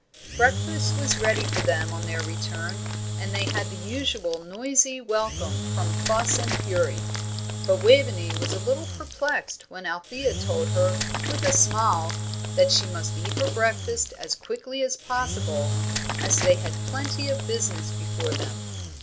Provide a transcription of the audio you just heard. Breakfast was ready for them on their return, and they had the usual noisy welcome from Fuss and Fury. But Waveney was a little perplexed when Althea told her, with a smile, that she must eat her breakfast as quickly as possible, as they had plenty of business before them.